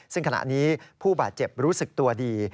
ซึ่งขณะนี้ผู้บาดเจ็บรู้สึกตัวดี